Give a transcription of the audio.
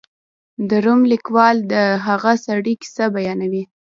د روم لیکوال د هغه سړي کیسه بیانوي.